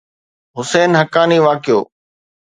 حسين حقاني واقعو